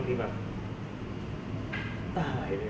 ตายเลย